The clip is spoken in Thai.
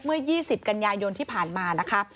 เมื่อ๒๐กันยายนที่ผ่านมานะคะ